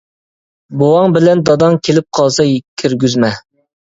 -بوۋاڭ بىلەن داداڭ كېلىپ قالسا كىرگۈزمە.